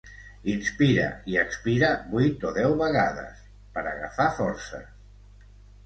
Inspira i expira vuit o deu vegades, per agafar forces.